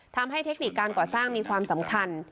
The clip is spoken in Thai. เทคนิคการก่อสร้างมีความสำคัญ